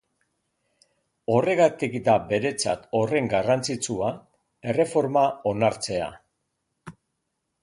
Horregatik da beretzat horren garrantzitsua erreforma onartzea.